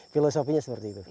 filosofinya seperti itu